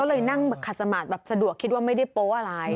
ก็เลยนั่งขัดสมาธิแบบสะดวกคิดว่าไม่ได้โป๊ะอะไร